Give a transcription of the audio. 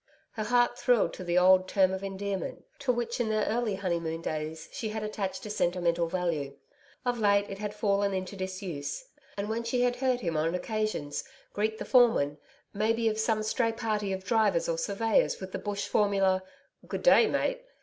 Her heart thrilled to the old term of endearment, to which in their early honeymoon days she had attached a sentimental value. Of late it had fallen into disuse, and when she had heard him on occasions greet the foreman, may be of some stray party of drivers or surveyors with the bush formula: 'Good day, mate!'